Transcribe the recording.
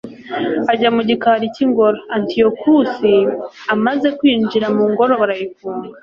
ajya mu gikari cy'ingoro. antiyokusi amaze kwinjira mu ngoro barayifunga